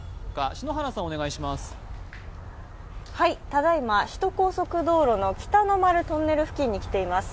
ただいま首都高速道路の北の丸トンネル付近に来ています。